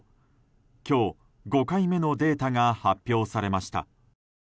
今日、５回目のデータが発表されました。